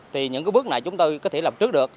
thì những bước này chúng ta có thể làm trước được